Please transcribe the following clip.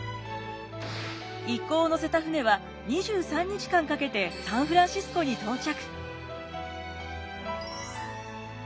一行を乗せた船は２３日間かけてサンフランシスコに到着。